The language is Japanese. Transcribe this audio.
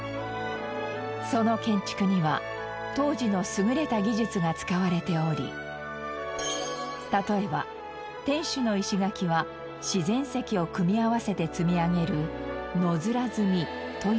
その建築には当時の優れた技術が使われており例えば天守の石垣は自然石を組み合わせて積み上げる野面積みという手法。